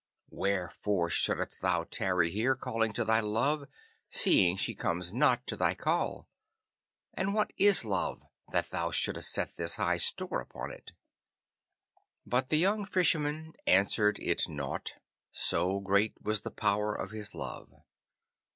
Wherefore shouldst thou tarry here calling to thy love, seeing she comes not to thy call? And what is love, that thou shouldst set this high store upon it?' But the young Fisherman answered it nought, so great was the power of his love.